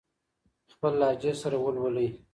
خپل لهجې سره ولولئ.